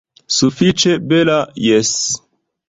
Sufiĉe bela, jes.